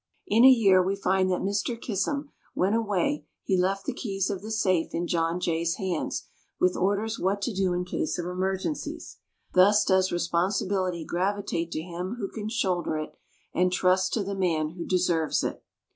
In a year we find that when Mr. Kissam went away he left the keys of the safe in John Jay's hands, with orders what to do in case of emergencies. Thus does responsibility gravitate to him who can shoulder it, and trust to the man who deserves it.